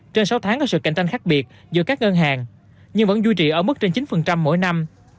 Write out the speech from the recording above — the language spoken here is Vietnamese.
trên sáu tháng có sự cạnh tranh khác biệt giữa các ngân hàng nhưng vẫn duy trì ở mức trên chín mỗi năm